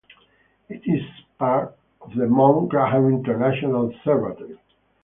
It is a part of the Mount Graham International Observatory.